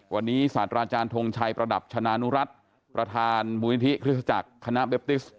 วันนี้สัตว์ราชาณธงชัยประดับชนะนุรัติประธานมุมนิธิคริสตจักรคณะเบปติศ